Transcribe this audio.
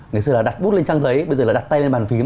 ngày xưa là đặt bút lên trang giấy bây giờ là đặt tay lên bàn phím